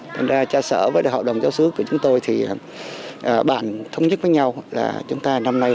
thành ra tra sở với đại hội đồng giáo sứ của chúng tôi thì bàn thống nhất với nhau là chúng ta năm nay